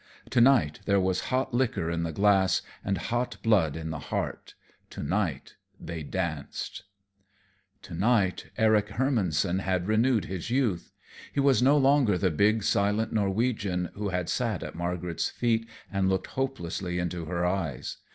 To night there was hot liquor in the glass and hot blood in the heart; to night they danced. To night Eric Hermannson had renewed his youth. He was no longer the big, silent Norwegian who had sat at Margaret's feet and looked hopelessly into her eyes.